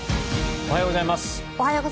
おはようございます。